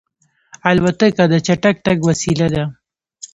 الوتکه د چټک تګ وسیله ده.